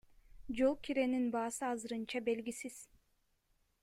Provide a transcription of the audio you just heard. Жол киренин баасы азырынча белгисиз.